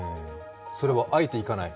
それはあえていかない？